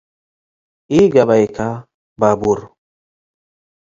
ኢገበይከ ባቡር።